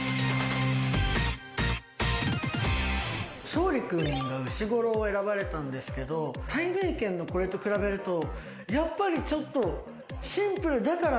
勝利君がうしごろを選ばれたんですけどたいめいけんのこれと比べるとやっぱりちょっと。